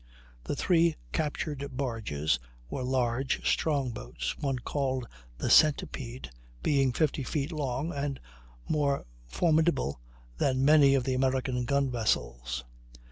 The three captured barges were large, strong boats, one called the Centipede being fifty feet long, and more formidable than many of the American gun vessels.